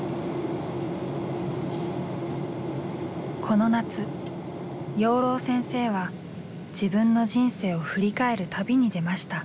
この夏養老先生は自分の人生を振り返る旅に出ました。